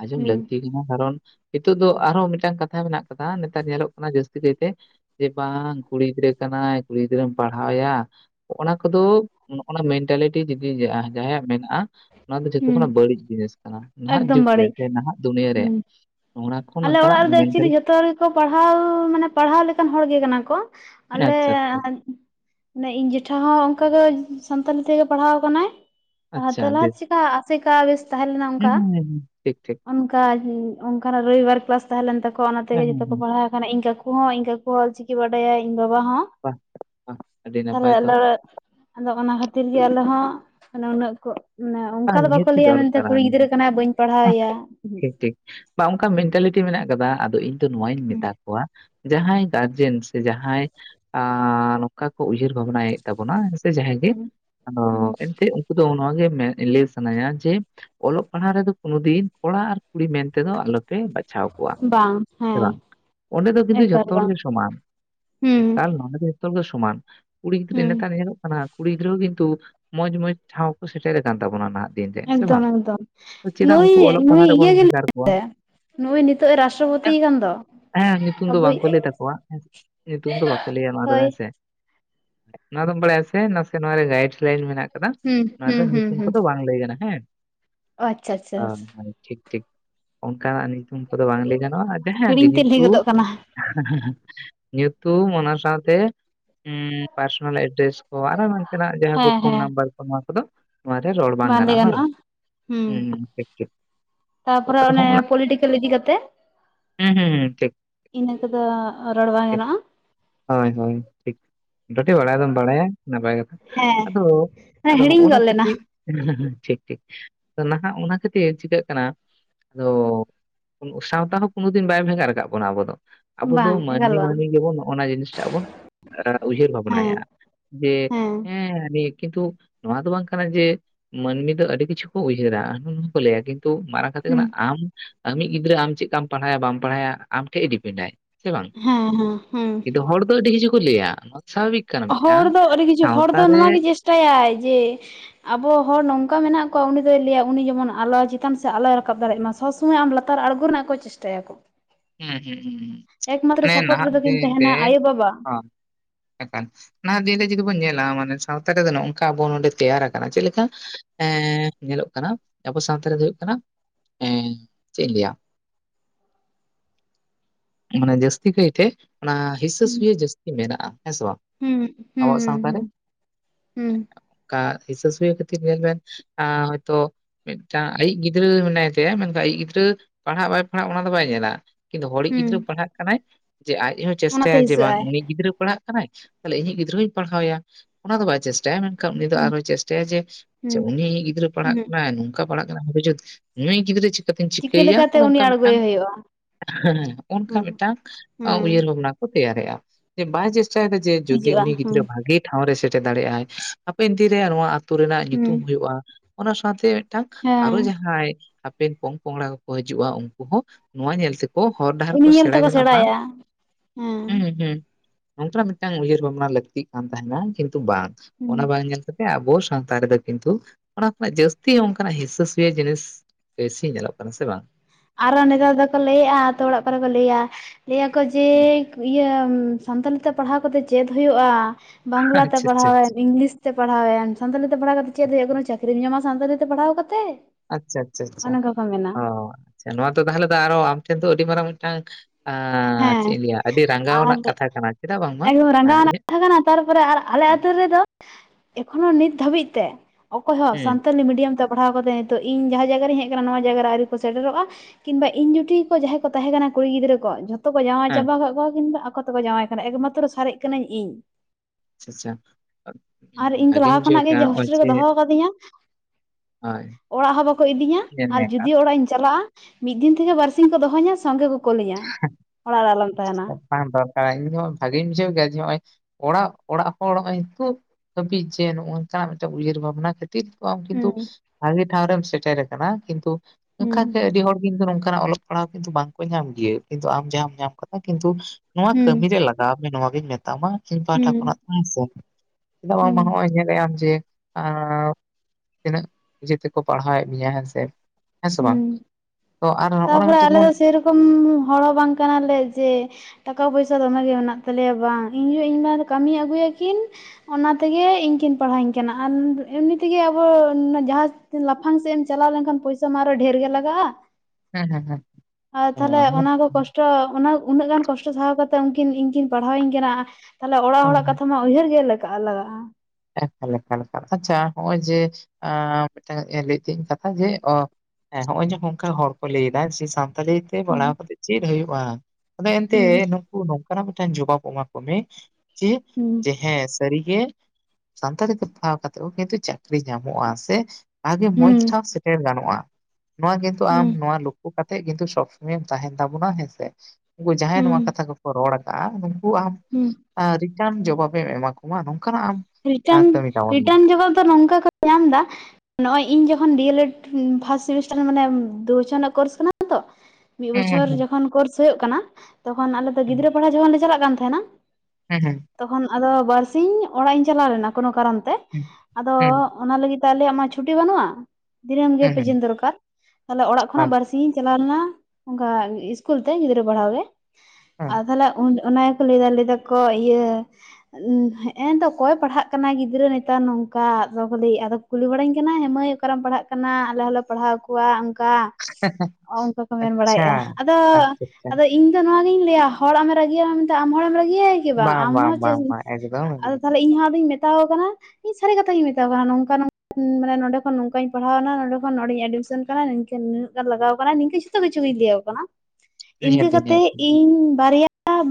ᱟᱸᱡᱚᱢ ᱦᱩᱸ ᱞᱟᱹᱠᱛᱤ ᱠᱟᱱᱟ ᱠᱟᱨᱚᱱ ᱱᱤᱛᱚᱜ ᱫᱚ ᱟᱨᱦᱚᱸ ᱢᱤᱫᱴᱟᱝ ᱠᱟᱛᱷᱟ ᱢᱮᱱᱟᱜ ᱠᱟᱫᱟ ᱱᱮᱛᱟᱨ ᱧᱮᱞᱚᱜ ᱠᱟᱱᱟ ᱡᱟᱹᱥᱛᱤ ᱠᱟᱭᱛᱮ, ᱡᱮ ᱵᱟᱝ ᱠᱩᱲᱤ ᱜᱤᱫᱽᱨᱟᱹ ᱠᱟᱱᱟᱭ ᱠᱩᱲᱤ ᱜᱤᱫᱽᱨᱟᱹᱢ ᱯᱟᱲᱦᱟᱣ ᱮᱭᱟ, ᱚᱱᱟ ᱠᱚᱫᱚᱜ ᱚᱱᱟ ᱢᱮᱱᱴᱟᱞᱤᱴᱤ ᱡᱩᱫᱤ ᱡᱟᱦᱟᱸᱭᱟᱜ ᱢᱮᱱᱟᱜᱼᱟ, ᱱᱚᱣᱟ ᱫᱚ ᱡᱷᱚᱛᱚ ᱦᱩᱸ ᱠᱷᱚᱱᱟᱜ ᱵᱟᱹᱲᱤᱡ ᱡᱤᱱᱤᱥ ᱠᱟᱱᱟ, ᱱᱟᱦᱟᱜ ᱮᱠᱫᱚᱢ ᱡᱩᱜᱽ ᱨᱮ ᱵᱟᱹᱲᱤᱡ ᱥᱮ ᱱᱟᱦᱟᱜ ᱫᱩᱱᱭᱟᱹᱨᱮ᱾ ᱦᱩᱸ ᱟᱞᱮ ᱚᱲᱟᱜ ᱨᱮᱫᱚ ᱮᱠ ᱪᱤᱞᱤ ᱡᱷᱚᱛᱚ ᱦᱚᱲ ᱯᱟᱲᱦᱟᱣ ᱢᱟᱱᱮ ᱯᱟᱲᱦᱟᱣ ᱞᱮᱠᱟᱱ ᱦᱚᱲ ᱜᱮ ᱠᱟᱱᱟ ᱠᱚ ᱟᱞᱮ ᱢᱟᱱᱮ ᱤᱧ ᱡᱮᱴᱷᱟ ᱦᱚᱸ ᱚᱱᱠᱟᱟᱜᱮ ᱥᱟᱱᱛᱟᱞᱤ ᱛᱮᱜᱮ ᱯᱟᱲᱦᱟᱣ ᱟᱠᱟᱱᱟᱭ ᱞᱟᱛᱮ ᱟᱪᱪᱷᱟ ᱞᱟᱦᱟ ᱵᱮᱥ ᱪᱮᱫ ᱚᱱᱠᱟ ᱟᱥᱮᱠᱟ ᱵᱮᱥ ᱛᱟᱦᱮᱸᱞᱮᱱᱟ ᱦᱮᱸ ᱚᱱᱠᱟ ᱦᱮᱸ ᱦᱮᱸ ᱦᱮᱸ ᱴᱷᱤᱠ ᱴᱷᱤᱠ ᱚᱱᱠᱟ ᱚᱱᱠᱟᱱᱟᱜ ᱨᱚᱵᱤᱵᱟᱨ ᱠᱮᱞᱟᱥ ᱛᱟᱦᱮᱸ ᱞᱮᱱ ᱛᱟᱠᱚᱣᱟ ᱚᱱᱟᱛᱮᱜᱮ ᱦᱮᱸ ᱦᱮᱸ ᱡᱚᱛᱚ ᱠᱚ ᱦᱮᱸ ᱯᱟᱲᱦᱟᱣ ᱢᱟᱱᱮ ᱤᱧ ᱠᱟᱠᱩ ᱦᱚᱸ ᱤᱧ ᱠᱟᱠᱩ ᱦᱚᱸ ᱚᱞ ᱪᱤᱠᱤ ᱵᱟᱰᱟᱭᱟ ᱤᱧ ᱵᱟᱵᱟ ᱦᱚᱸ, ᱵᱟᱦ ᱵᱟᱦ ᱟᱹᱰᱤ ᱛᱟᱦᱚᱞᱮ ᱱᱟᱯᱟᱭ ᱛᱚ ᱟᱞᱮ ᱫᱚ ᱟᱫᱚ ᱚᱱᱟ ᱠᱷᱟᱛᱤᱨ ᱜᱮ ᱟᱞᱮ ᱦᱚᱸ ᱩᱱᱟᱹᱜ ᱠᱚ ᱢᱟᱱᱮ ᱚᱱᱠᱟ ᱵᱟᱝ ᱫᱚ ᱱᱤᱦᱟᱹᱛ ᱵᱟᱠᱚ ᱜᱮ ᱞᱟᱹᱭᱟ ᱢᱮᱱᱛᱮ ᱫᱚᱨᱠᱟᱨᱟ ᱠᱩᱲᱤ ᱱᱤᱭᱟᱹ ᱜᱤᱫᱽᱨᱟᱹ ᱠᱟᱱᱟᱭ ᱵᱟᱹᱧ ᱯᱟᱲᱦᱟᱣᱮᱭᱟ, ᱴᱷᱤᱠ ᱴᱷᱤᱠ ᱵᱟ ᱚᱱᱠᱟ ᱢᱮᱱᱴᱟᱞᱤᱴᱤ ᱢᱮᱱᱟᱜ ᱠᱟᱫᱟ ᱟᱫᱚ ᱤᱧ ᱫᱚ ᱱᱚᱣᱟᱧ ᱦᱩᱸ ᱢᱮᱛᱟ ᱠᱚᱣᱟ, ᱡᱟᱦᱟᱸᱭ ᱜᱟᱨᱡᱮᱱ ᱥᱮ ᱡᱟᱦᱟᱸᱭ ᱟᱻ ᱱᱚᱝᱠᱟ ᱠᱚ ᱩᱭᱦᱟᱹᱨ ᱵᱷᱟᱵᱱᱟᱭᱮᱫ ᱛᱟᱵᱚᱱᱟ, ᱥᱮ ᱡᱟᱦᱟᱸᱭ ᱜᱮ ᱦᱩᱸ ᱟᱫᱚ ᱦᱩᱸ ᱮᱱᱛᱮᱫ ᱩᱱᱠᱩ ᱫᱚ ᱱᱚᱣᱟ ᱜᱮ ᱢᱮᱱ ᱞᱟᱹᱭ ᱥᱟᱱᱟᱧᱭᱟ ᱡᱮ ᱚᱞᱚᱜ ᱯᱟᱲᱦᱟᱜ ᱨᱮᱫᱚ ᱠᱳᱱᱚ ᱫᱤᱱ ᱠᱚᱲᱟ ᱟᱨ ᱠᱩᱲᱤ ᱢᱮᱱᱛᱮ ᱫᱚ ᱟᱞᱚ ᱯᱮ ᱵᱟᱪᱷᱟᱣ ᱠᱚᱣᱟ, ᱵᱟᱝ ᱥᱮ ᱦᱮᱸ ᱵᱟᱝ ᱚᱸᱰᱮ ᱫᱚ ᱠᱤᱱᱛᱩ ᱮᱠᱟᱞ ᱡᱚᱛᱚ ᱵᱟᱝ ᱦᱚᱲᱜᱮ ᱥᱚᱢᱟᱱ᱾ ᱦᱩᱸ ᱮᱠᱟᱞ <unintelligible> ᱡᱷᱚᱛᱚ ᱦᱚᱲ ᱜᱮ ᱥᱚᱢᱟᱱ ᱠᱩᱲᱤ ᱜᱤᱫᱽᱨᱟᱹ ᱦᱩᱸ ᱱᱮᱛᱟᱨ ᱧᱮᱞᱚᱜ ᱠᱟᱱᱟ ᱠᱩᱲᱤ ᱜᱤᱫᱽᱨᱟᱹ ᱦᱚᱸ ᱠᱤᱱᱛᱩ ᱢᱚᱸᱡᱽ ᱢᱚᱸᱡᱽ ᱴᱷᱟᱶ ᱠᱚ ᱥᱮᱴᱮᱨ ᱠᱟᱱ ᱛᱟᱵᱚᱱᱟ ᱱᱟᱦᱟᱜ᱾ ᱫᱤᱱ ᱨᱮ ᱥᱮ ᱵᱟᱝ ᱮᱠᱫᱚᱢ ᱮᱠᱫᱚᱢ ᱛᱚ ᱪᱮᱫᱟᱜ ᱱᱩᱭ ᱩᱱᱠᱩ ᱚᱞᱚᱜ ᱱᱩᱭ ᱯᱟᱲᱦᱟᱜ ᱨᱮᱵᱚᱱ ᱤᱭᱟᱹ ᱜᱮ ᱵᱷᱮᱜᱟᱨ ᱠᱚᱣᱟ <unintelligible> ᱱᱩᱭ ᱱᱤᱛᱚᱜ ᱮ ᱨᱟᱥᱴᱨᱚᱯᱚᱛᱤ ᱠᱟᱱ ᱫᱚ ᱦᱮᱸ ᱧᱩᱛᱩᱢ ᱫᱚ ᱟᱵᱚᱭᱤᱡ ᱵᱟᱝᱠᱚ ᱞᱟᱹᱭ ᱛᱟᱠᱚᱣᱟ ᱧᱩᱛᱩᱢ ᱫᱚ ᱵᱟᱠᱚ ᱞᱟᱹᱭᱟ ᱱᱚᱣᱟᱫᱚ ᱦᱳᱭ ᱦᱮᱸ ᱥᱮ ᱱᱚᱣᱟ ᱫᱚᱢ ᱵᱟᱲᱟᱭᱟ ᱥᱮ ᱱᱟᱥᱮ ᱱᱚᱣᱟ ᱨᱮ ᱜᱟᱭᱤᱰ ᱞᱟᱭᱤᱱ ᱢᱮᱱᱟᱜ ᱠᱟᱫᱟ ᱦᱩᱸ ᱱᱚᱣᱟ ᱫᱚ ᱦᱩᱸ ᱦᱩᱸ ᱦᱩᱸ ᱠᱚᱫᱚ ᱵᱟᱝ ᱞᱟᱹᱭ ᱠᱟᱱᱟ ᱦᱮᱸ ᱚ ᱟᱪᱪᱷᱟ ᱟᱪᱪᱷᱟ ᱦᱳᱭ ᱴᱷᱤᱠ ᱴᱷᱤᱠ ᱚᱱᱠᱟᱱᱟᱜ ᱧᱩᱛᱩᱢ ᱠᱚᱫᱚ ᱵᱟᱝ ᱞᱟᱹᱭ ᱜᱟᱱᱚᱜᱼᱟ ᱡᱟᱦᱟᱸ ᱜᱮ ᱦᱤᱲᱤᱧ ᱛᱮᱫ ᱞᱟᱹᱭ ᱧᱩᱛᱩᱢ ᱜᱚᱫᱚᱜ ᱠᱟᱱᱟ <unintelligible> ᱧᱩᱛᱩᱢ ᱚᱱᱟ ᱥᱟᱶᱛᱮ ᱩ ᱯᱟᱨᱥᱚᱱᱟᱞ ᱮᱰᱨᱮᱥ ᱛᱚ ᱟᱨᱮ ᱱᱚᱱᱛᱮᱱᱟᱜ ᱡᱟᱦᱟᱸ ᱠᱚ ᱦᱮᱸ ᱯᱷᱳᱱ ᱦᱮᱸ ᱱᱟᱢᱵᱟᱨ ᱠᱚ ᱱᱚᱣᱟ ᱠᱚᱫᱚ ᱱᱚᱣᱟ ᱨᱮ ᱨᱚᱲ ᱵᱟᱝ ᱵᱟᱝᱜᱟᱱᱟ ᱞᱟᱹᱭ ᱦᱭ ᱜᱟᱱᱚᱜᱼᱟ ᱦᱸ ᱴᱷᱤᱠ ᱴᱷᱤ ᱛᱟᱯᱚᱨ ᱚᱱᱮ ᱯᱚᱞᱤᱴᱤᱠᱮᱞ ᱤᱫᱤ ᱠᱟᱛᱮ ᱦᱩᱸ ᱦᱩᱸ ᱦᱩᱸ ᱴᱷᱤᱠ ᱤᱱᱟᱹ ᱠᱚᱫᱚ ᱨᱚᱲ ᱵᱟᱝ ᱴᱷᱤᱠ ᱜᱟᱱᱚᱜᱼᱟ ᱦᱳᱭ ᱦᱳᱭ ᱴᱷᱤᱠ <unintelligible> ᱵᱟᱲᱟᱭ ᱫᱚᱢ ᱵᱟᱲᱟᱭᱟ ᱱᱟᱯᱟᱭ ᱠᱟᱛᱷᱟ ᱟᱫᱚ ᱦᱮᱸ ᱟᱫᱚ ᱦᱤᱲᱤᱧ ᱜᱚᱫ ᱦᱚᱦᱚᱱᱟᱪᱮ ᱞᱮᱱᱟ <unintelligible> ᱴᱷᱤᱠ ᱴᱷᱤᱠ ᱱᱟᱦᱟᱜ ᱚᱱᱟ ᱠᱷᱟᱹᱛᱤᱨ ᱪᱤᱠᱟᱹᱜ ᱠᱟᱱᱟ ᱟᱫᱚ ᱥᱟᱶᱛᱟ ᱦᱚᱸ ᱠᱳᱱᱳ ᱫᱤᱱ ᱵᱟᱭ ᱵᱷᱮᱜᱟᱨ ᱨᱟᱠᱟᱫ ᱵᱚᱱᱟ ᱟᱵᱚ ᱫᱚ᱾ ᱟᱵᱚ ᱫᱚ ᱵᱟᱝ ᱮᱠᱟᱞ ᱢᱟᱹᱱᱢᱤ ᱵᱟᱝ ᱢᱟᱹᱱᱢᱤ ᱜᱮᱵᱚᱱ ᱱᱚᱜᱼᱚᱱᱟ ᱡᱤᱱᱤᱥᱴᱟᱜ ᱵᱚᱱ ᱩᱭᱦᱟᱹᱨ ᱦᱮᱸ ᱵᱷᱟᱵᱽᱱᱟᱭᱟ᱾ ᱡᱮ ᱦᱮᱸ ᱦᱮᱸᱱᱤᱭ <unintelligible> ᱠᱤᱱᱛᱩ ᱱᱚᱣᱟ ᱫᱚ ᱵᱟᱝ ᱠᱟᱱᱟ ᱡᱮ, ᱢᱟᱹᱱᱢᱤ ᱫᱚ ᱟᱹᱰᱤ ᱠᱤᱪᱷᱩ ᱠᱚ ᱩᱭᱦᱟᱹᱨᱟ ᱟᱨ ᱠᱚ ᱞᱟᱹᱭᱟ ᱠᱤᱱᱛᱩ ᱢᱟᱨᱟᱝ ᱦᱟᱱᱛᱮ ᱦᱩᱸ ᱠᱟᱱᱟ ᱟᱢ ᱟᱢᱤᱡ ᱜᱤᱫᱽᱨᱟᱹ ᱟᱢ ᱪᱮᱫ ᱠᱟᱢ ᱯᱟᱲᱦᱟᱭᱟ ᱵᱟᱢ ᱯᱟᱲᱦᱟᱭᱟ ᱟᱢ ᱴᱷᱮᱡᱼᱮ ᱰᱤᱯᱮᱱᱰ ᱟᱭ᱾ ᱥᱮ ᱵᱟᱝ, ᱦᱮᱸ ᱦᱮᱸ ᱦᱩᱸ ᱠᱤᱱᱛᱩ ᱦᱚᱲ ᱫᱚ ᱟᱹᱰᱤ ᱠᱤᱪᱷᱩ ᱠᱚ ᱞᱟᱹᱭᱟ <unintelligible> ᱦᱚᱲ ᱫᱚ ᱟᱹᱰᱤ ᱠᱤᱪᱷᱩ ᱦᱚᱲ ᱥᱟᱶᱛᱟ ᱫᱚ ᱨᱮ ᱱᱚᱣᱟ ᱜᱮ ᱪᱮᱥᱴᱟᱭᱟᱭ ᱡᱮ ᱟᱵᱚ ᱦᱚᱲ ᱱᱚᱝᱠᱟ ᱢᱮᱱᱟᱜ ᱠᱚᱣᱟ ᱩᱱᱤ ᱫᱚᱭ ᱞᱟᱹᱭᱟ ᱩᱱᱤ ᱡᱮᱢᱚᱱ ᱟᱞᱚ ᱪᱮᱛᱟᱱ ᱥᱮᱫ ᱟᱞᱚᱭ ᱨᱟᱠᱟᱵ ᱫᱟᱲᱮᱭᱟᱜ ᱢᱟ ᱥᱚᱵᱽ ᱥᱚᱢᱚᱭ ᱟᱢ ᱞᱟᱛᱟᱨ ᱟᱬᱜᱚ ᱨᱮᱱᱟᱜ ᱠᱚ ᱪᱮᱥᱴᱟᱭᱟ ᱠᱚ ᱦᱩᱸ ᱦᱩᱸ ᱢᱟᱱᱮ ᱥᱟᱯᱳᱨᱴ ᱱᱟᱦᱟᱜ ᱨᱮᱫᱚ ᱠᱤᱱ ᱛᱟᱦᱮᱱᱟ ᱫᱤᱱᱨᱮ ᱟᱭᱳ ᱵᱟᱵᱟ <unintelligible> ᱱᱟᱦᱟᱜ ᱫᱤᱱ ᱨᱮ ᱡᱩᱫᱤ ᱵᱚᱱ ᱧᱮᱞᱟ ᱢᱟᱱᱮ ᱥᱟᱶᱛᱟ ᱨᱮ ᱫᱚ ᱱᱚᱝᱠᱟ ᱟᱵᱚ ᱱᱚᱰᱮ ᱛᱮᱭᱟᱨ ᱟᱠᱟᱱᱟ ᱪᱮᱫ ᱞᱮᱠᱟ ᱦᱮᱸ ᱧᱮᱞᱚᱜ ᱠᱟᱱᱟ ᱟᱵᱚ ᱥᱟᱶᱛᱟ ᱨᱮ ᱫᱚ ᱦᱩᱭᱩᱜ ᱠᱟᱱᱟ ᱪᱮᱫ ᱤᱧ ᱞᱟᱹᱭᱟ ᱢᱟᱱᱮ ᱡᱟᱹᱥᱛᱤ ᱠᱟᱦᱤ ᱛᱮ ᱚᱱᱟ ᱦᱤᱸᱥᱟᱹ ᱦᱩᱸ ᱥᱩᱭᱟᱹ ᱡᱟᱹᱥᱛᱤ ᱢᱮᱱᱟᱜᱼᱟ ᱦᱮᱸ ᱥᱮ ᱵᱟᱝ ᱦᱩᱸ ᱦᱩᱸ ᱟᱵᱚᱣᱟᱜ ᱥᱟᱶᱛᱟ ᱨᱮ ᱦᱩᱸ ᱦᱩᱸ ᱚᱱᱠᱟ ᱦᱤᱥᱟᱹ ᱥᱩᱭᱟᱹ ᱠᱷᱟᱹᱛᱤᱨ ᱧᱮᱞ ᱵᱤᱱ ᱟ ᱦᱚᱭᱛᱚ ᱢᱤᱫᱴᱟᱝ ᱟᱭᱤᱡ ᱜᱤᱫᱽᱨᱟᱹ ᱢᱮᱱᱟᱭ ᱛᱟᱭᱟ ᱢᱮᱱᱠᱷᱟᱱ ᱟᱭᱤᱡ ᱜᱤᱫᱽᱨᱟᱹ ᱯᱟᱲᱦᱟᱜ ᱵᱟᱭ ᱯᱟᱲᱦᱟᱜ ᱚᱱᱟ ᱫᱚ ᱵᱟᱭ ᱧᱮᱞᱟ <unintelligible> ᱠᱤᱱᱛᱩ ᱦᱚᱲᱤᱡ ᱦᱩᱸ ᱜᱤᱫᱽᱨᱟᱹ ᱯᱟᱲᱦᱟᱜ ᱠᱟᱱᱟᱭ ᱡᱮ ᱟᱡ ᱦᱚᱸᱭ ᱚᱱᱟᱛᱮ ᱪᱮᱥᱴᱟᱭᱟ ᱡᱮ ᱦᱤᱥᱟᱹᱜ ᱵᱟᱝ ᱟᱭ ᱩᱱᱤ ᱜᱤᱫᱽᱨᱟᱹᱭ ᱯᱟᱲᱦᱟᱜ ᱠᱟᱱᱟᱭ ᱛᱟᱦᱚᱞᱮ ᱤᱧᱤᱡ ᱜᱤᱫᱽᱨᱟᱹ ᱦᱩᱧ ᱯᱟᱲᱦᱟᱣᱮᱭᱟ ᱚᱱᱟ ᱫᱚ ᱵᱟᱭ ᱪᱮᱥᱴᱟᱭᱟ ᱢᱮᱱᱠᱷᱟᱱ ᱩᱱᱤ ᱫᱚ ᱦᱩᱸ ᱟᱨᱦᱚᱭ ᱪᱮᱥᱴᱟᱭᱟ ᱡᱮ ᱦᱩᱸ ᱩᱱᱤ ᱜᱤᱫᱽᱨᱟᱹ ᱯᱟᱲᱦᱟᱜ ᱦᱩᱸ ᱠᱟᱱᱟᱭ ᱚᱱᱠᱟ ᱯᱟᱲᱦᱟᱜ ᱠᱟᱱᱟᱭ ᱱᱩᱭ ᱜᱤᱫᱽᱨᱟᱹ ᱪᱤᱠᱟ ᱛᱤᱧ ᱪᱤᱠᱟᱹ ᱪᱤᱠᱟᱹᱭᱮᱭᱟ ᱞᱮᱠᱟᱛᱮ ᱚᱱ ᱩᱱᱤ ᱱᱚᱝᱠᱟ ᱟᱬᱜᱚᱭᱮ ᱢᱤᱫᱴᱟᱝ ᱦᱩᱭᱩᱜᱼᱟ ᱦᱮᱸ ᱚᱱᱠᱟ ᱦᱩᱸ ᱢᱤᱫᱴᱟᱝ ᱩᱭᱦᱟᱹᱨ ᱦᱩᱸ ᱵᱷᱟᱵᱽᱱᱟ ᱠᱚ ᱛᱮᱭᱟᱨᱮᱜᱼᱟ ᱡᱮ ᱵᱟᱭ ᱪᱮᱥᱴᱟᱭᱮᱫᱟ ᱡᱮ ᱡᱩᱫᱤ ᱦᱤᱡᱩᱜᱼᱟ ᱩᱱᱤ ᱦᱩᱸ ᱜᱤᱫᱽᱨᱟᱹ ᱵᱷᱟᱜᱤ ᱴᱷᱟᱶ ᱨᱮ ᱥᱮᱴᱮᱨ ᱫᱟᱲᱮᱭᱟᱜᱼ ᱟᱭ ᱦᱟᱯᱮᱱ ᱫᱤᱱ ᱨᱮ ᱱᱚᱣᱟ <unintelligible> ᱟᱹᱛᱩ ᱨᱮᱱᱟᱜ ᱦᱩᱸ ᱧᱩᱛᱩᱢ ᱦᱩᱭᱩᱜᱼᱟ ᱚᱱᱟ ᱥᱟᱶᱛᱮ ᱢᱤᱫᱴᱟᱝ ᱟᱨ ᱦᱚᱸ ᱦᱮᱸ ᱡᱟᱦᱟᱸᱭ <unintelligible> ᱦᱟᱯᱚᱱ ᱯᱚᱝᱼᱯᱚᱝᱲᱟ ᱠᱚᱠᱚ ᱦᱤᱡᱩᱜᱼᱟ ᱩᱱᱠᱩ ᱦᱚᱸ ᱱᱚᱣᱟ ᱧᱮᱞ ᱛᱮ ᱠᱚ ᱦᱚᱨ ᱰᱟᱦᱟᱨ ᱠᱚ ᱩᱱᱤ ᱧᱮᱞ ᱥᱮᱬᱟ ᱛᱮᱠᱚ ᱡᱚᱝᱟᱜ ᱠᱷᱟᱱ ᱥᱮᱬᱟᱭᱟ ᱦᱮᱸ ᱦᱩᱸᱦᱩᱸ ᱱᱚᱝ ᱠᱟᱱᱟᱜ ᱢᱤᱫᱴᱟᱝ ᱩᱭᱦᱟᱹᱨ ᱵᱷᱟᱵᱽᱱᱟ ᱞᱟᱹᱠᱛᱤᱜ ᱠᱟᱱ ᱛᱟᱦᱮᱱᱟ ᱠᱤᱱᱛᱩ ᱵᱟᱝ ᱦᱩᱸ ᱚᱱᱟ ᱵᱟᱝ ᱧᱮᱞ ᱛᱮ ᱟᱵᱚ ᱥᱟᱶᱛᱟ ᱨᱮ ᱫᱚ ᱠᱤᱱᱛᱩ ᱚᱱᱟ ᱠᱷᱚᱱᱟᱜ ᱡᱟᱹᱥᱛᱤ ᱚᱱᱠᱟᱱᱟᱜ ᱦᱤᱸᱥᱟᱹ ᱥᱩᱭᱟᱹ ᱡᱤᱱᱤᱥ ᱵᱮᱥᱤ ᱧᱮᱞᱚᱜ ᱠᱟᱱᱟ ᱥᱮ ᱵᱟᱝ ᱟᱨᱦᱚᱸ ᱱᱮᱛᱟᱨ ᱫᱚᱠᱚ ᱞᱟᱹᱭᱮᱜᱼᱟ ᱟᱹᱛᱩ ᱚᱲᱟᱜ ᱠᱚᱨᱮ ᱠᱚ ᱞᱟᱹᱭᱟ ᱞᱟᱹᱭᱟᱠᱚ ᱡᱮ ᱦᱩᱸ, ᱤᱭᱟᱹ ᱥᱟᱱᱛᱟᱞᱤ ᱛᱮ ᱯᱟᱲᱦᱟᱣ ᱠᱟᱛᱮ ᱪᱮᱫ ᱦᱩᱭᱩᱜᱼᱟ ᱵᱟᱝᱞᱟ ᱛᱮ ᱟᱪᱪᱷᱟ ᱟᱪᱪᱷᱟ ᱯᱟᱲᱦᱟᱣ ᱟᱪᱪᱷᱟ ᱤᱝᱞᱤᱥ ᱛᱮ ᱯᱟᱲᱦᱟᱣᱮᱱ ᱥᱟᱱᱛᱟᱲᱤ ᱛᱮ ᱯᱟᱲᱦᱟᱣ ᱠᱟᱛᱮ ᱪᱮᱫ ᱦᱩᱭᱩᱜᱼᱟ ᱠᱚᱱᱚ ᱪᱟᱹᱠᱨᱤ ᱧᱟᱢᱚᱜᱼᱟ ᱥᱟᱱᱛᱟᱲᱤ ᱛᱮ ᱯᱟᱲᱦᱟᱣ ᱠᱟᱛᱮ ᱟᱪᱪᱷᱟ ᱟᱪᱪᱷᱟ ᱟᱪᱪᱷᱟ ᱱᱚᱣᱟ ᱫᱚ ᱛᱟᱦᱚᱞᱮ ᱫᱚ ᱟᱨᱦᱚᱸ ᱟᱢ ᱴᱷᱮᱱ ᱫᱚ ᱟᱹᱰᱤ ᱢᱟᱨᱟᱝ ᱢᱤᱫᱴᱟᱝ ᱟᱨ ᱦᱮᱸ ᱪᱮᱫ ᱤᱧ ᱞᱟᱹᱭᱟ ᱟᱹᱰᱤ ᱟᱨ ᱨᱟᱸᱜᱟᱣᱟᱱᱟᱜ ᱨᱮᱱᱟᱜ ᱠᱟᱛᱷᱟ ᱠᱟᱱᱟ ᱪᱮᱫᱟᱜ ᱵᱟᱝ ᱵᱟᱝ ᱮᱠᱫᱚᱢ ᱨᱟᱸᱜᱟᱣᱟᱱᱟᱜ ᱦᱮᱸ ᱠᱟᱛᱷᱟ ᱠᱟᱱᱟ ᱛᱟᱨᱯᱚᱨᱮ ᱟᱨ ᱟᱞᱮ ᱟᱛᱳ ᱨᱮᱫᱚ ᱮᱠᱷᱚᱱᱬᱳ ᱱᱤᱛ ᱫᱷᱟᱹᱵᱤᱡ ᱛᱮ ᱚᱠᱚᱭ ᱦᱚᱸ ᱦᱩᱸ ᱥᱟᱱᱛᱟᱞᱤ ᱢᱤᱰᱤᱭᱟᱢ ᱛᱮ ᱯᱟᱲᱦᱟᱣ ᱠᱟᱜ ᱠᱟᱛᱮ ᱱᱤᱛᱚᱜ ᱤᱧ ᱡᱟᱦᱟᱸ ᱡᱟᱭᱜᱟ ᱨᱤᱧ ᱦᱮᱡ ᱟᱠᱟᱱᱟ ᱱᱚᱣᱟ ᱡᱟᱭᱜᱟ ᱨᱮ ᱟᱹᱣᱨᱤ ᱠᱚ ᱥᱮᱴᱮᱨᱚᱜᱼᱟ ᱠᱤᱢᱵᱟ ᱤᱧ ᱡᱩᱴᱤ ᱠᱚ ᱡᱟᱦᱟᱸᱭ ᱠᱚ ᱛᱟᱦᱮᱸ ᱠᱟᱱᱟ ᱠᱩᱲᱤ ᱜᱤᱫᱽᱨᱟᱹ ᱠᱚ ᱡᱷᱚᱛᱚ ᱠᱚ ᱡᱟᱶᱟᱭ ᱪᱟᱵᱟ ᱦᱮᱸ ᱠᱟᱜ ᱠᱚᱣᱟ ᱠᱤᱱᱛᱩ ᱟᱠᱚ ᱛᱮᱠᱚ ᱡᱟᱶᱟᱭ ᱠᱟᱱᱟ ᱮᱠᱢᱟᱛᱨᱚ ᱥᱟᱨᱮᱡ ᱠᱟᱹᱱᱟᱹᱧ ᱤᱧ ᱟᱪᱪᱷᱟ ᱟᱪᱪᱷᱟ ᱟᱨ ᱤᱧ ᱫᱚ ᱵᱷᱟᱜᱤᱧ ᱞᱟᱦᱟ ᱵᱩᱡᱷᱟᱹᱣ ᱠᱷᱚᱱᱟᱜ ᱠᱮᱜᱼᱟ ᱜᱮ ᱱᱚᱜᱼᱚᱭ ᱦᱳᱥᱴᱮᱞ ᱡᱮ ᱨᱮᱠᱚ ᱫᱚᱦᱚ ᱟᱠᱟᱫᱤᱧᱟ ᱦᱳᱭ ᱚᱲᱟᱜ ᱦᱚᱸ ᱵᱟᱠᱚ ᱤᱫᱤᱧᱟ ᱧᱮᱞ ᱟᱨ ᱢᱮ ᱡᱩᱫᱤ ᱚᱲᱟᱜ ᱤᱧ ᱪᱟᱞᱟᱜᱼᱟ ᱢᱤᱫ ᱫᱤᱱ ᱛᱷᱮᱠᱮ ᱵᱟᱨᱥᱤᱧ ᱠᱚ ᱫᱚᱦᱚ ᱭᱤᱧᱟ ᱥᱚᱸᱜᱮ ᱠᱚ ᱠᱩᱞᱤᱧᱟ ᱚᱲᱟᱜ ᱨᱮ ᱟᱞᱚᱢ ᱛᱟᱦᱮᱱᱟ ᱵᱟᱝ ᱵᱟᱝ ᱵᱟ ᱤᱧ ᱦᱚ ᱵᱷᱟᱜᱤᱧ ᱵᱩᱡᱷᱟᱹᱣ ᱠᱮᱫᱼᱟ ᱡᱮ ᱱᱚᱜᱼᱚᱭ ᱚᱲᱟᱜ ᱚᱲᱟᱜ ᱦᱚᱲᱟᱜ ᱱᱤᱛᱚᱜ ᱦᱟᱹᱵᱤᱡ ᱡᱮ ᱱᱚᱜᱼᱚ ᱱᱚᱝᱠᱟᱱᱟᱜ ᱢᱤᱫᱴᱮᱱ ᱩᱭᱦᱟᱹᱨ ᱵᱷᱟᱵᱽᱱᱟ ᱠᱷᱟᱹᱛᱤᱨ ᱟᱢ ᱠᱤᱱᱛᱩ ᱦᱩᱸ ᱵᱷᱟᱜᱤ ᱴᱷᱟᱶ ᱨᱮᱢ ᱥᱮᱴᱮᱨ ᱟᱠᱟᱱᱟ ᱠᱤᱱᱛᱩ ᱦᱩᱸ ᱮᱱᱠᱷᱟᱱ ᱥᱮ ᱟᱹᱰᱤ ᱦᱚᱲ ᱱᱚᱝᱠᱟᱱᱟᱜ ᱚᱞᱚᱜ ᱯᱟᱲᱦᱟᱣ ᱠᱤᱱᱛᱩ ᱵᱟᱝ ᱠᱚ ᱧᱟᱢ ᱜᱮᱭᱟ ᱠᱤᱱᱛᱩ ᱟᱢ ᱡᱟᱦᱟᱸᱢ ᱧᱟᱢ ᱠᱮᱫᱟ ᱠᱤᱱᱛᱩ ᱱᱚᱶᱟ ᱦᱩᱸ ᱠᱟᱹᱢᱤ ᱨᱮ ᱞᱟᱜ ᱱᱚᱣᱟ ᱜᱤᱧ ᱢᱮᱛᱟᱢᱟ ᱤᱧ ᱯᱟᱦᱴᱟ ᱠᱷᱚᱱᱟᱜ ᱦᱩᱸ ᱦᱮᱸ ᱪᱮ ᱪᱮᱫᱟᱜ ᱵᱟᱝ ᱦᱩᱸ ᱢᱟ ᱞᱟᱹᱭᱟᱢ ᱡᱮ ᱛᱤᱱᱟᱹᱜ ᱱᱤᱡᱮ ᱛᱮᱠᱚ ᱯᱟᱲᱦᱟᱣᱮᱫ ᱢᱮᱭᱟ ᱦᱮᱸ ᱥᱮ ᱦᱮᱸ ᱥᱮ ᱵᱟᱝ ᱦᱩᱸ ᱛᱚ ᱟᱨ ᱱᱚᱜᱼᱚᱭ ᱚᱱᱟ ᱢᱤᱫᱴᱤᱡ ᱡᱮᱢᱚᱱ ᱠᱚᱢ ᱦᱚᱲ ᱦᱚᱸ ᱵᱟᱝ ᱠᱟᱱᱟ ᱞᱮ ᱡᱮ ᱴᱟᱠᱟ ᱯᱚᱭᱥᱟ ᱫᱚᱢᱮ ᱜᱮ ᱢᱮᱱᱟᱜ ᱛᱟᱞᱮᱭᱟ ᱵᱟᱝ ᱤᱧ ᱵᱟ ᱤᱧᱢᱟ ᱠᱟᱹᱢᱤ ᱟᱹᱜᱩ ᱭᱟᱹᱠᱤᱱ ᱚᱱᱟ ᱛᱮᱜᱮ ᱤᱧ ᱠᱤᱱ ᱯᱟᱲᱦᱟᱣᱤᱧ ᱠᱟᱱᱟ ᱟᱨ ᱮᱢᱱᱤ ᱛᱮ ᱜᱮ ᱟᱵᱚ ᱡᱟᱦᱟᱸ ᱞᱟᱯᱷᱟᱝ ᱥᱮᱫ ᱮᱢ ᱪᱟᱞᱟᱣ ᱞᱮᱱᱠᱷᱟᱱ ᱯᱚᱭᱥᱟ ᱢᱟ ᱟᱨᱦᱚᱸ ᱰᱷᱮᱨ ᱜᱮ ᱞᱟᱜᱟᱜᱼᱟ ᱦᱮᱸ ᱦᱮᱸ ᱦᱮᱸ ᱟᱨ ᱛᱟᱦᱚᱞᱮ ᱚᱱᱟ ᱠᱚ ᱠᱚᱥᱴᱚ ᱠᱚᱥᱴᱚ ᱚᱱᱟ ᱩᱱᱟᱹᱜ ᱜᱟᱱ ᱠᱚᱥᱴᱚ ᱥᱟᱦᱟᱣ ᱠᱟᱛᱮ ᱩᱱᱠᱤᱱ ᱤᱧ ᱠᱤᱱ ᱯᱟᱲᱦᱟᱣᱤᱧ ᱠᱟᱱᱟ ᱛᱟᱦᱚᱞᱮ ᱚᱲᱟᱜ ᱦᱮᱸ ᱦᱚᱲᱟᱜ ᱠᱟᱛᱷᱟ ᱢᱟ ᱩᱭᱦᱟᱹᱨ ᱜᱮ ᱞᱟᱜᱟᱜᱼᱟ ᱞᱟᱜᱟᱜᱼᱟ ᱮᱠᱟᱞ ᱮᱠᱟᱞ ᱮᱠᱟᱞ ᱟᱪᱪᱷᱟ ᱱᱚᱜᱼᱚᱭ ᱡᱮ ᱢᱤᱫᱴᱟᱝ ᱞᱟᱹᱭ ᱮᱫᱟᱹᱧ ᱠᱟᱛᱷᱟ ᱡᱮ ᱦᱮᱸ ᱦᱚᱜ ᱚᱭ ᱡᱮ ᱚᱱᱠᱟ ᱦᱚᱲ ᱠᱚ ᱞᱟᱹᱭ ᱮᱫᱟ ᱡᱮ ᱥᱟᱱᱛᱟᱞᱤ ᱛᱮ ᱦᱩᱸ ᱵᱟᱲᱦᱟᱣ ᱠᱟᱛᱮ ᱪᱮᱫ ᱦᱩᱭᱩᱜᱼᱟ ᱟᱫᱚ ᱮᱱᱛᱮ ᱦᱩᱸ ᱱᱩᱠᱩ ᱱᱚᱝᱠᱟᱱᱟᱜ ᱢᱤᱫᱴᱟᱱ ᱡᱚᱵᱟᱵ ᱮᱢᱟ ᱠᱚ ᱢᱮ ᱡᱮ ᱦᱩᱸ ᱡᱮ ᱦᱮᱸ ᱥᱟᱹᱨᱤᱜᱮ ᱥᱟᱱᱛᱟᱲᱤ ᱛᱮ ᱯᱟᱲᱦᱟᱣ ᱠᱟᱛᱮᱫ ᱦᱚᱸ ᱠᱤᱱᱛᱩ ᱪᱟᱹᱠᱨᱤ ᱧᱟᱢᱚᱜᱼᱟ ᱥᱮ ᱵᱷᱟᱜᱮ ᱢᱚᱸᱡᱽ ᱦᱩᱸ ᱴᱷᱟᱣ ᱥᱮᱴᱮᱨ ᱜᱟᱱᱚᱜᱼᱟ ᱱᱚᱣᱟ ᱠᱤᱱᱛᱩ ᱟᱢ ᱦᱩᱸ ᱱᱚᱣᱟ ᱞᱚᱠᱠᱷᱚ ᱠᱟᱛᱮᱜ ᱠᱤᱱᱛᱩ ᱥᱚᱵ ᱥᱚᱢᱚᱭᱢ ᱛᱟᱦᱮᱱ ᱛᱟᱵᱚᱱᱟ ᱦᱮᱸᱥᱮ ᱩᱱᱠᱩ ᱡᱟᱦᱟᱸᱭ ᱱᱚᱣᱟ ᱦᱩᱸ ᱠᱟᱛᱷᱟ ᱠᱚᱠᱚ ᱨᱚᱲ ᱠᱟᱜᱼᱟ ᱩᱱᱠᱩ ᱟᱢ ᱦᱩᱸ ᱨᱤᱴᱟᱨᱱ ᱡᱚᱵᱟᱵᱮᱢ ᱮᱢᱟ ᱠᱚᱢᱟ ᱱᱚᱝᱠᱟᱱᱟᱜ ᱟᱢ ᱟᱸ ᱨᱤᱴᱟᱨᱱ ᱠᱟᱹᱢᱤ ᱛᱟᱵᱚᱱ ᱢᱮ᱾ ᱨᱤᱴᱟᱨᱱ ᱡᱚᱵᱟᱵ ᱫᱚ ᱱᱚᱝᱠᱟ ᱠᱚ ᱧᱟᱢ ᱫᱟ ᱱᱚᱜᱼᱚᱭ ᱤᱧ ᱡᱚᱠᱷᱚᱱ B L Ed first semester ᱢᱟᱱᱮ ᱫᱩ ᱵᱚᱪᱷᱚᱨ ᱨᱮᱱᱟᱜ ᱠᱳᱨᱥ ᱠᱟᱱᱟ ᱛᱚ ᱢᱤᱫ ᱵᱚᱪᱷᱚᱨ ᱡᱚᱠᱷᱚᱱ ᱠᱳᱨᱥ ᱦᱩᱭᱩᱜ ᱠᱟᱱᱟ ᱛᱚᱠᱷᱚᱱ ᱟᱞᱮᱫᱚ ᱜᱤᱫᱽᱨᱟᱹ ᱯᱟᱲᱦᱟ ᱡᱚᱠᱷᱚᱱ ᱞᱮ ᱪᱟᱞᱟᱜ ᱠᱟᱱ ᱛᱟᱦᱮᱸᱱᱟ ᱦᱮᱸ ᱦᱮᱸ ᱛᱚᱠᱷᱚᱱ ᱟᱫᱚ ᱵᱟᱨᱥᱤᱧ ᱚᱲᱟᱜ ᱤᱧ ᱪᱟᱞᱟᱣ ᱞᱮᱱᱟ ᱠᱳᱱᱳ ᱠᱟᱨᱚᱱ ᱛᱮ ᱟᱫᱚ ᱚᱱᱟ ᱞᱟᱹᱜᱤᱫ ᱛᱮ ᱟᱞᱮᱭᱟᱜ ᱢᱟ ᱪᱷᱩᱴᱤ ᱵᱟᱹᱱᱩᱜᱼᱟ ᱫᱤᱱᱟᱹᱢ ᱜᱮ ᱯᱮᱡᱮᱱ ᱫᱚᱨᱠᱟᱨ ᱛᱟᱦᱞᱮ ᱚᱲᱟᱜ ᱠᱷᱚᱱᱟᱜ ᱵᱟᱨᱥᱤ ᱛᱤ ᱪᱟᱞᱟᱣ ᱞᱮᱱᱟ ᱚᱱᱠᱟ ᱤᱥᱠᱩᱞ ᱛᱮ ᱜᱤᱫᱽᱨᱟᱹ ᱯᱟᱲᱦᱟᱣ ᱜᱮ ᱚᱱ ᱚᱱᱟ ᱜᱮᱠᱚ ᱞᱟᱹᱭ ᱫᱟ ᱞᱟᱹᱭᱫᱟᱠᱚ ᱤᱭᱟᱹ ᱮᱱᱛᱚ ᱚᱠᱚᱭ ᱯᱟᱲᱦᱟᱜ ᱠᱟᱱᱟᱭ ᱜᱤᱫᱽᱨᱟᱹ ᱱᱮᱛᱟᱨ ᱱᱚᱝᱠᱟ ᱫᱚᱠᱚ ᱞᱟᱹᱭᱮᱜ-ᱟ ᱟᱫᱚ ᱠᱩᱞᱤ ᱵᱟᱲᱟᱧ ᱠᱟᱱᱟ ᱦᱮ ᱢᱟᱹᱭ ᱚᱠᱟᱨᱮᱢ ᱯᱟᱲᱦᱟᱜ ᱠᱟᱱᱟ ᱠᱟᱱᱟ ᱟᱞᱮ ᱦᱚᱞᱮ ᱯᱟᱲᱦᱟᱣ ᱠᱚᱣᱟ ᱚᱱᱠᱟ ᱚᱱᱠᱟ ᱠᱚ ᱢᱮᱱ ᱵᱟᱲᱟᱭᱮᱜᱼᱟ ᱟᱫᱚ ᱟᱫᱚ ᱤᱧ ᱫᱚ ᱱᱚᱣᱟᱜᱤᱧ ᱞᱟᱹᱭᱟ ᱦᱚᱲ ᱟᱢᱮ ᱨᱟᱹᱜᱤᱭᱟᱢᱟ ᱢᱮᱱᱛᱮ ᱟᱢ ᱦᱚᱲᱮᱢ ᱨᱟᱹᱜᱤᱭᱟᱭ ᱠᱤ ᱵᱟᱝ ᱟᱢ ᱵᱟᱝ ᱦᱚᱸ ᱵᱟᱝ ᱪᱮᱫ ᱵᱟᱝ ᱮᱠᱫᱚᱢ ᱟᱫᱚ ᱛᱟᱦᱚᱞᱮ ᱤᱧ ᱦᱚᱸ ᱟᱫᱚᱧ ᱢᱮᱛᱟᱣᱟ ᱠᱟᱱᱟ ᱤᱧ ᱥᱟᱹᱨᱤ ᱠᱟᱛᱷᱟ ᱜᱤᱧ ᱢᱮᱛᱟᱣ ᱠᱚ ᱠᱟᱱᱟ ᱱᱚᱝᱠᱟ ᱱᱚᱝᱠᱟ ᱢᱟᱱᱮ ᱱᱚᱸᱰᱮ ᱠᱷᱚᱱ ᱱᱚᱝᱠᱟᱧ ᱯᱟᱲᱦᱟᱣᱱᱟ ᱱᱚᱰᱮ ᱠᱷᱚᱱ ᱱᱚᱸᱰᱮᱧ ᱮᱰᱢᱤᱥᱚᱱ ᱠᱟᱱᱟ ᱱᱤᱝᱠᱟᱹ ᱱᱤᱱᱟᱹᱜ ᱞᱟᱜᱟᱣ ᱠᱟᱱᱟ ᱱᱤᱝᱠᱟᱹ ᱡᱷᱚᱛᱚ ᱠᱤᱪᱷᱩ ᱜᱤᱧ ᱞᱟᱹᱭᱟ ᱠᱚ ᱠᱟᱱᱟ ᱤᱱᱠᱟᱹ ᱠᱟᱛᱮᱜ ᱤᱧ ᱵᱟᱨᱭᱟ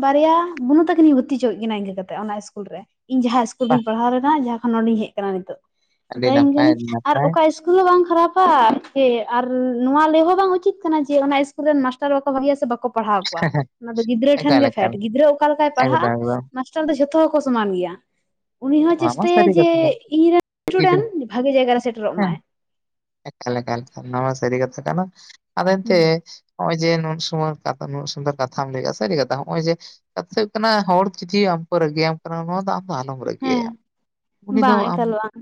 ᱵᱟᱨᱭᱟ ᱵᱩᱱᱩ ᱛᱟᱠᱤᱱᱤᱧ ᱵᱷᱩᱨᱛᱤ ᱦᱚᱪᱚᱠᱮᱜ ᱠᱤᱱᱟ ᱤᱱᱠᱟᱹ ᱠᱟᱛᱮᱫ ᱚᱱᱟ ᱤᱥᱠᱩᱞ ᱨᱮ ᱤᱧ ᱡᱟᱦᱟᱸ ᱤᱥᱠᱩᱞ ᱨᱤᱧ ᱯᱟᱲᱦᱟᱣ ᱞᱮᱱᱟ ᱡᱟᱦᱟᱸᱠᱷᱚᱱ ᱱᱚᱸᱰᱮᱧ ᱦᱮᱡ ᱠᱟᱱᱟ ᱱᱤᱛᱚᱜ ᱢᱮᱛᱟᱠᱤᱱ ᱠᱟᱹᱱᱟᱹᱧ ᱟᱨ ᱚᱠᱟ ᱤᱥᱠᱩᱞ ᱦᱚᱸ ᱵᱟᱝ ᱠᱷᱟᱨᱟᱯᱟ ᱥᱮ ᱟᱨ ᱱᱚᱣᱟ ᱞᱮᱦᱚᱸ ᱵᱟᱝ ᱩᱪᱤᱛ ᱠᱟᱱᱟ ᱡᱮ ᱚᱱᱟ ᱤᱥᱠᱩᱞ ᱨᱮᱱ ᱢᱟᱥᱴᱟᱨ ᱵᱟᱠᱚ ᱵᱷᱟᱜᱮᱭᱟ ᱥᱮ ᱵᱟᱠᱚ ᱯᱟᱲᱦᱟᱣ ᱠᱚᱣᱟ ᱚᱱᱟ ᱫᱚ ᱜᱤᱫᱽᱨᱟᱹ ᱴᱷᱮᱱ ᱜᱮ ᱯᱷᱮᱰ ᱜᱤᱫᱽᱨᱟᱹ ᱚᱠᱟ ᱞᱮᱠᱟᱭ ᱯᱟᱲᱦᱟᱜᱼᱟ ᱢᱟᱥᱴᱟᱨ ᱫᱚ ᱡᱷᱚᱛᱚ ᱦᱚᱸᱠᱚ ᱥᱚᱢᱟᱱ ᱜᱮᱭᱟ ᱩᱱᱤᱦᱚ ᱪᱮᱥᱴᱟᱭᱟ ᱡᱮ ᱤᱧᱨᱮᱱ ᱤᱥᱴᱩᱰᱮᱱ ᱵᱷᱟᱜᱮ ᱡᱟᱭᱜᱟᱨ ᱨᱮ ᱥᱮᱴᱮᱨᱚᱜ ᱢᱟᱭ ᱮᱠᱟᱞ ᱮᱠᱟᱞ ᱱᱚᱣᱟ ᱥᱟᱹᱨᱤ ᱠᱟᱛᱷᱟ ᱠᱟᱱᱟ ᱟᱫᱚ ᱮᱱᱛᱮ ᱱᱚᱜ ᱚᱭᱮ ᱡᱮ ᱱᱩᱱ ᱱᱩᱱᱟᱹᱜ ᱥᱩᱱᱫᱚᱨ ᱠᱟᱛᱷᱟᱢ ᱞᱟᱹᱭᱮᱜᱼᱟ ᱥᱮ ᱥᱟᱹᱨᱤ ᱠᱟᱛᱷᱟ ᱱᱚᱜᱼᱚᱭ ᱡᱮ ᱠᱟᱛᱷᱟ ᱦᱩᱭᱩᱜ ᱠᱟᱱᱟ ᱦᱚᱲ <unintelligible> ᱟᱢ ᱠᱚ ᱨᱟᱹᱜᱤᱭᱟᱢ ᱠᱟᱱᱟ ᱱᱚᱣᱟ ᱫᱚ ᱟᱢ ᱫᱚ ᱟᱞᱚᱢ ᱦᱮᱸ ᱨᱟᱹᱜᱤᱭᱟᱭᱟ ᱩᱱᱤ ᱫᱚ ᱵᱟᱝ ᱟᱢ ᱮᱠᱟᱞ ᱵᱟᱝ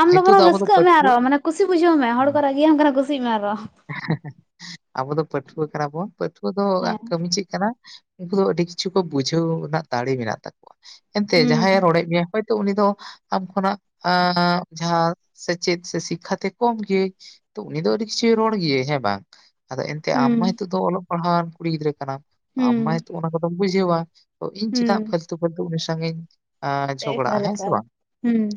ᱟᱢ ᱫᱚ ᱱᱤᱛᱳᱜ ᱵᱚᱨᱚᱢ ᱟᱵᱚ ᱨᱟᱹᱥᱠᱟᱹᱜ ᱢᱮ ᱯᱟᱹᱴᱷᱩᱣᱟᱹ ᱟᱨᱚ ᱢᱟᱱᱮ ᱠᱩᱥᱤ ᱵᱩᱡᱷᱟᱹᱣ ᱢᱮ ᱦᱚᱲ ᱠᱚ ᱦᱩᱸ᱾ ᱨᱟᱹᱜᱤᱭᱟᱢ ᱠᱟᱱᱟ <unintelligible> ᱠᱩᱥᱤᱜ ᱢᱮ ᱟᱨᱚ ᱟᱵᱚ ᱫᱚ ᱯᱟᱹᱴᱷᱩᱣᱟᱹ ᱠᱟᱱᱟ ᱵᱚᱱ ᱯᱟᱹᱴᱷᱩᱣᱟᱹ ᱫᱚ ᱦᱮᱸ ᱠᱟᱹᱢᱤ ᱪᱮᱫ ᱠᱟᱱᱟ ᱩᱱᱠᱩ ᱫᱚ ᱟᱹᱰᱤ ᱠᱤᱪᱷᱩ ᱠᱚ ᱵᱩᱡᱷᱟᱹᱣ ᱨᱮᱱᱟᱜ ᱫᱟᱲᱮ ᱢᱮᱱᱟᱜ ᱛᱟᱠᱚᱣᱟ ᱮᱱᱛᱮ ᱡᱟᱦᱟᱸᱭᱮ ᱦᱩᱸ ᱨᱚᱲᱮᱜ ᱢᱮᱭᱟ ᱦᱚᱭ ᱩᱱᱤ ᱫᱚ ᱟᱢ ᱠᱷᱚᱱᱟᱜ ᱡᱟᱦᱟᱸ ᱥᱮᱪᱮᱫ ᱥᱮ ᱥᱤᱠᱠᱷᱟᱛᱮ ᱠᱚᱢ ᱜᱮᱭ ᱛᱚ ᱩᱱᱤ ᱫᱚ ᱟᱹᱰᱤ ᱠᱤᱪᱷᱩᱭ ᱨᱚᱲ ᱜᱮᱭᱟᱭ ᱦᱮᱸ ᱵᱟᱝ ᱟᱫᱚ ᱮᱱᱛᱮ ᱟᱢ ᱢᱟ ᱦᱩᱸ ᱱᱤᱛᱚᱜ ᱫᱚ ᱚᱞᱚᱜ ᱯᱟᱲᱦᱟᱣᱟᱱ ᱠᱩᱲᱤ ᱜᱤᱫᱽᱨᱟᱹ ᱠᱟᱱᱟᱢ ᱟᱢ ᱢᱟ ᱦᱩᱸ ᱚᱱᱟ ᱠᱚᱫᱚᱢ ᱵᱩᱡᱷᱟᱹᱣᱟ ᱛᱚ ᱤᱧ ᱪᱮᱫᱟᱜ ᱦᱩᱸ ᱯᱷᱟᱞᱛᱩ ᱯᱟᱹᱞᱛᱩ ᱩᱱᱤ ᱥᱟᱝ ᱤᱧ ᱮᱠᱟᱞ ᱮᱠᱟᱞ ᱦᱩᱸ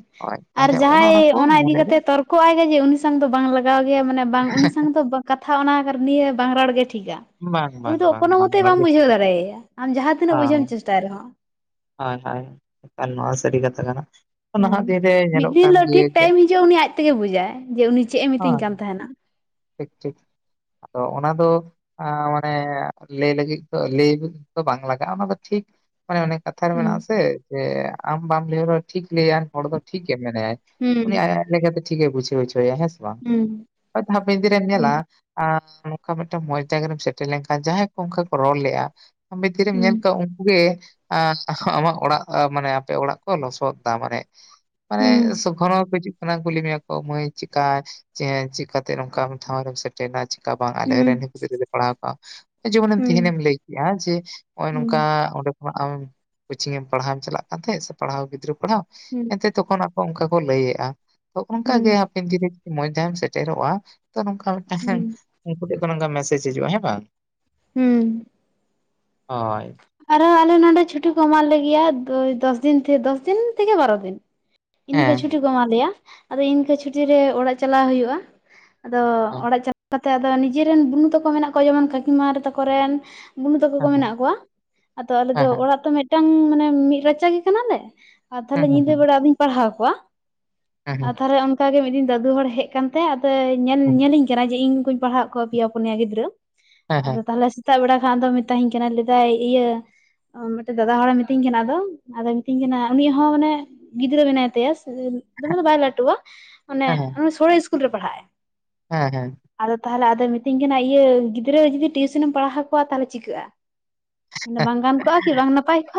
ᱟᱨ ᱛᱟᱦᱚᱞᱮ ᱚᱱᱮ ᱡᱟᱦᱟᱸᱭ ᱠᱚ ᱚᱱᱟ ᱤᱫᱤ ᱢᱚᱱᱮᱨᱮ ᱠᱟᱛᱮ ᱛᱚᱨᱠᱚᱜ ᱟᱭ ᱜᱟᱡᱮ ᱩᱱᱤ ᱥᱟᱝ ᱫᱚ ᱵᱟᱝ ᱞᱟᱜᱟᱣ ᱜᱮ ᱢᱟᱱᱮ ᱵᱟᱝ ᱩᱱᱤ ᱥᱟᱝ ᱫᱚ ᱵᱟᱝ ᱠᱟᱛᱷᱟ ᱚᱱᱟ ᱠᱟᱨ ᱱᱤᱭᱟᱹ ᱵᱟᱝ ᱨᱚᱲᱜᱮ ᱴᱷᱤᱠᱟ ᱵᱟᱝ ᱩᱱᱤ ᱵᱟᱝ ᱫᱚ ᱵᱟᱝ ᱠᱳᱱᱳ ᱵᱟᱝ ᱢᱚᱛᱮ ᱨᱚᱲ ᱵᱟᱢ ᱜᱮ ᱵᱩᱡᱷᱟᱹᱣ ᱫᱟᱲᱮᱭᱟᱭᱟ ᱟᱢ ᱡᱟᱦᱟᱸ ᱛᱤᱱᱟᱹᱜ ᱵᱩᱡᱷᱟᱹᱣ ᱮᱢ ᱪᱮᱥᱴᱟᱭ ᱨᱮᱦᱚᱸ ᱦᱳᱭ ᱦᱳᱭ ᱮᱠᱟᱞ ᱱᱚᱣᱟ ᱥᱟᱹᱨᱤ ᱠᱟᱛᱷᱟ ᱠᱟᱱᱟ ᱦᱩᱸ ᱱᱟᱦᱟᱜ ᱫᱤᱱ ᱨᱮ ᱢᱤᱫ ᱧᱮᱞᱚᱜ ᱫᱤᱱ ᱠᱟᱱ ᱦᱤᱞᱟᱹᱜ ᱜᱮᱭᱟ ᱴᱷᱤᱠ ᱡᱮ ᱴᱟᱭᱤᱢ ᱦᱤᱡᱩᱜᱼᱟ ᱩᱱᱤ ᱟᱡ ᱛᱮᱜᱮ ᱵᱩᱡᱟᱭ ᱡᱮ ᱩᱱᱤ ᱪᱮᱫ ᱮ ᱢᱤᱛᱟᱹᱧ ᱦᱮᱸ ᱠᱟᱱ ᱛᱟᱦᱮᱱᱟ ᱴᱷᱤᱠ ᱴᱷᱤᱠ ᱟᱫᱚ ᱚᱱᱟ ᱫᱚ ᱢᱟᱱᱮ ᱞᱟᱹᱭ ᱞᱟᱹᱜᱤᱫ ᱫᱚ ᱞᱟᱹᱭ ᱫᱚ ᱵᱟᱝ ᱞᱟᱜᱟᱜᱼᱟ ᱚᱱᱟ ᱫᱚ ᱴᱷᱤᱠ ᱢᱟᱱᱮ ᱚᱱᱮ ᱠᱟᱛᱷᱟ ᱨᱮ ᱦᱩᱸ ᱢᱮᱱᱟᱜᱼᱟ ᱥᱮ ᱡᱮ ᱟᱢ ᱵᱟᱢ ᱞᱟᱹᱭ ᱨᱮᱦᱚᱸ ᱴᱷᱤᱠ ᱞᱟᱹᱭᱟᱭᱟᱱ ᱦᱚᱲ ᱫᱚ ᱴᱷᱤᱠᱮ ᱢᱮᱱᱟᱭᱟ ᱩᱱᱤ ᱦᱩᱸ ᱟᱡ ᱟᱡ ᱞᱮᱠᱟᱛᱮ ᱴᱷᱤᱠᱮ ᱵᱩᱡᱷᱟᱹᱣ ᱦᱚᱪᱚᱣᱮᱭᱟ ᱦᱮᱸ ᱥᱮ ᱵᱟᱝ ᱦᱩᱸ ᱦᱚᱭᱛᱚ ᱦᱟᱯᱮᱱ ᱫᱤᱱ ᱨᱮᱢ ᱦᱩᱸ ᱧᱮᱞᱟ ᱼᱼ ᱟᱨ ᱱᱚᱝᱠᱟ ᱢᱤᱫᱴᱟᱝ ᱢᱚᱸᱡᱽ ᱡᱟᱭᱜᱟ ᱨᱮᱢ ᱥᱮᱴᱮᱨ ᱞᱮᱱᱠᱷᱟᱱ ᱡᱟᱦᱟᱸᱭ ᱠᱚ ᱚᱱᱠᱟ ᱠᱚ ᱨᱚᱲ ᱞᱮᱫᱼᱟ ᱼᱼ ᱢᱤᱫ ᱫᱤ ᱨᱮᱢ ᱦᱩᱸ ᱧᱮᱞ ᱠᱚᱣᱟ ᱩᱱᱠᱩ ᱜᱮ ᱼᱼ ᱮᱸ ᱟᱢᱟᱜ ᱚᱲᱟᱜ ᱢᱟᱱᱮ ᱟᱯᱮ ᱚᱲᱟᱜ ᱠᱚ ᱞᱚᱥᱚᱫ ᱮᱫᱟ ᱢᱟᱱᱮ ᱼᱼ ᱢᱟᱱᱮ ᱦᱩᱸ ᱥᱚᱠᱷᱚᱱ ᱦᱚᱸ ᱦᱤᱡᱩᱜ ᱠᱟᱱᱟ ᱠᱩᱞᱤ ᱢᱮᱭᱟ ᱠᱚ ᱢᱟᱹᱭ ᱪᱮᱫᱠᱟ ᱪᱮᱫᱠᱟᱛᱮ ᱛᱮ ᱱᱚᱝᱠᱟᱱ ᱴᱷᱟᱶ ᱨᱮᱢ ᱥᱮᱴᱮᱨᱱᱟ ᱪᱮᱠᱟ ᱵᱟᱝ ᱟᱞᱮᱨᱮ ᱨᱮᱱ ᱦᱩᱸ ᱜᱤᱫᱽᱨᱟᱹ ᱞᱮ ᱯᱟᱲᱟᱣ ᱠᱚᱜᱼᱟ ᱡᱮᱢᱚᱱᱮᱢ ᱛᱮᱦᱮᱧ ᱦᱩᱸ ᱮᱢ ᱞᱟᱹᱭ ᱠᱮᱜᱼᱟ᱾ ᱡᱮ ᱱᱚᱜᱚᱭ ᱱᱚᱝᱠᱟ ᱦᱩᱸ ᱚᱸᱰᱮ ᱼᱼ ᱟᱢ ᱠᱳᱪᱤᱝ ᱮᱢ ᱯᱟᱲᱦᱟᱣᱢ ᱪᱟᱞᱟᱜ ᱠᱟᱱ ᱛᱟᱦᱮᱸᱫ ᱥᱮ ᱯᱟᱲᱦᱟᱣ ᱜᱤᱫᱽᱨᱟᱹ ᱯᱟᱲᱦᱟᱣ ᱦᱩᱸ ᱮᱱᱛᱮᱫ ᱼᱼ ᱛᱚᱠᱷᱚᱱ ᱟᱠᱚ ᱚᱱᱠᱟ ᱠᱚ ᱞᱟᱹᱭᱮᱜᱼᱟ ᱚᱱᱠᱟᱜ ᱜᱮ ᱦᱩᱸ ᱦᱟᱯᱮᱱ ᱫᱤᱱ ᱨᱮ ᱢᱚᱸᱡᱽ ᱫᱮᱢ ᱥᱮᱴᱮᱨᱚᱜᱼᱟ। ᱛᱚ ᱱᱚᱝᱠᱟ ᱞᱮᱠᱟ ᱦᱮᱸ ᱦᱩᱸ ᱩᱱᱠᱩ ᱴᱷᱮᱡ ᱱᱚᱝᱠᱟ ᱢᱮᱥᱮᱡᱽ ᱦᱤᱡᱩᱜᱼᱟ ᱦᱮᱸ ᱵᱟᱝ? ᱦᱩᱸ ᱦᱳᱭ ᱟᱨᱦᱚᱸ ᱟᱞᱮ ᱱᱚᱰᱮ ᱪᱷᱩᱴᱤ ᱠᱚ ᱮᱢᱟᱫ ᱞᱮᱜᱮᱭᱟ ᱫᱚᱥ ᱫᱤᱱ ᱫᱚᱥ ᱫᱤᱱ ᱛᱷᱮᱠᱮ ᱵᱟᱨᱚ ᱫᱤᱱ। ᱤᱱᱠᱟᱹ ᱦᱮᱸ ᱪᱷᱩᱴᱤ ᱠᱚ ᱮᱢᱟᱫ ᱞᱮᱭᱟ ᱟᱫᱚ ᱤᱱᱠᱟᱹ ᱪᱷᱩᱴᱤᱨᱮ ᱚᱲᱟᱜ ᱪᱟᱞᱞᱟᱣ ᱦᱩᱭᱩᱜᱼᱟ। ᱟᱫᱚ ᱦᱮᱸ ᱚᱲᱟᱜ ᱪᱟᱞᱟᱣ ᱠᱟᱛᱮᱜ ᱟᱫᱚ ᱱᱤᱡᱮᱨᱮᱱ ᱵᱩᱱᱩ ᱛᱟᱠᱚ ᱢᱮᱱᱟᱜ ᱠᱚᱣᱟ᱾ ᱡᱮᱢᱚᱱ ᱠᱟᱠᱤᱢᱟ ᱛᱟᱠᱚᱨᱮᱱ ᱼᱼ ᱢᱩᱢᱩ ᱛᱟᱠᱚ ᱠᱚ ᱦᱮᱸ ᱢᱮᱱᱟᱜ ᱠᱚᱣᱟ। ᱟᱫᱚ ᱟᱞᱮ ᱫᱚ ᱦᱮᱸ ᱦᱮᱸ ᱚᱲᱟᱜ ᱛᱚ ᱢᱤᱫᱴᱟᱝ ᱢᱟᱱᱮ ᱢᱤᱫ ᱨᱟᱪᱟ ᱜᱮ ᱠᱟᱱᱟᱞᱮ᱾ ᱟᱨ ᱦᱮᱸ ᱛᱟᱦᱟᱞᱮ ᱦᱮᱸ ᱧᱤᱫᱟᱹ ᱵᱮᱲᱟ ᱟᱫᱩᱧ <unintelligible> ᱼᱼ ᱯᱟᱲᱦᱟᱣ ᱠᱚᱣᱟ᱾ ᱦᱮᱸ ᱦᱮᱸ ᱟᱨ ᱦᱮᱸ ᱛᱟᱦᱟᱞᱮ ᱚᱱᱠᱟ ᱜᱮ ᱢᱤᱫ ᱫᱤᱱ ᱫᱟᱫᱩ ᱦᱚᱲ ᱦᱮᱡ ᱠᱟᱱᱛᱮ ᱟᱫᱚᱭ ᱧᱮᱞ ᱦᱮᱸ ᱧᱮᱞᱤᱧ ᱼᱻ ᱠᱟᱱᱟ ᱡᱮ ᱤᱧ ᱩᱱᱠᱩᱧ ᱯᱟᱲᱦᱟᱜ ᱠᱚᱣᱟ ᱯᱮᱭᱟ ᱯᱩᱱᱭᱟ ᱜᱤᱫᱽᱨᱟᱹ᱾ ᱦᱮᱸ ᱟᱫᱚ ᱛᱟᱦᱟᱞᱮ ᱥᱮᱛᱟᱜ ᱵᱮᱲᱟ ᱠᱷᱟᱱ ᱟᱫᱚ ᱢᱮᱛᱟᱦᱤᱧ ᱚᱱᱟ ᱫᱚ ᱠᱮᱼᱼ ᱚᱱᱟ ᱠᱟᱱᱟ <unintelligible> ᱫᱟᱭ ᱤᱭᱟᱹ ᱢᱤᱫᱴᱮᱡ ᱫᱟᱫᱟ ᱦᱚᱲᱮ ᱢᱤᱛᱟᱹᱧ ᱠᱟᱱᱟ ᱟᱫᱚ ᱟᱫᱚᱭ ᱢᱤᱛᱟᱹᱧ ᱠᱟᱱᱟ ᱩᱱᱤ ᱦᱚᱸ ᱢᱟᱱᱮ ᱼᱼ ᱜᱤᱫᱽᱨᱟᱹ ᱢᱮᱱᱟᱭ ᱛᱟᱭᱟ᱾ ᱥᱮ ᱫᱚᱢᱮ ᱫᱚ ᱵᱟᱭ ᱞᱟᱴᱩᱣᱟ᱾ ᱢᱟᱱᱮ ᱦᱮᱸ ᱥᱳᱲᱮ ᱤᱥᱠᱩᱞ ᱨᱮ ᱯᱟᱲᱦᱟᱜᱼ ᱟᱭ। ᱦᱮᱸ ᱦᱮᱸ ᱦᱮᱸ ᱟᱫᱚ ᱛᱟᱦᱟᱞᱮ ᱟᱫᱚᱭ ᱢᱤᱛᱟᱹᱧ ᱠᱟᱱᱟ ᱤᱭᱟᱹ ᱜᱤᱫᱽᱨᱟᱹ ᱡᱩᱫᱤ ᱴᱤᱭᱩᱥᱚᱱᱮᱢ ᱯᱟᱲᱦᱟᱣ ᱠᱚᱣᱟ ᱛᱟᱦᱟᱞᱮ ᱪᱤᱠᱟᱹᱜᱼᱟ? ᱢᱟᱱᱮ ᱵᱟᱝ ᱜᱟᱱ ᱠᱚᱜᱼᱟ ᱠᱤ ᱵᱟᱝ ᱱᱟᱯᱟᱭ ᱠᱚᱼᱟ?